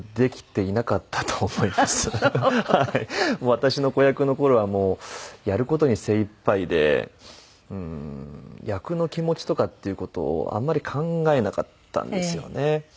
私の子役の頃はやる事に精いっぱいで役の気持ちとかっていう事をあんまり考えなかったんですよね。